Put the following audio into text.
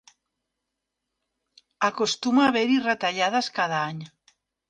Acostuma a haver-hi retallades cada any.